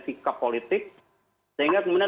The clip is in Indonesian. sikap politik sehingga kemudian